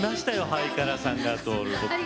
「はいからさんが通る」。